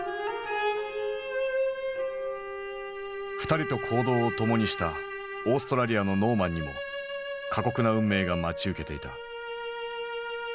２人と行動を共にしたオーストラリアのノーマンにも過酷な運命が待ち受けていた。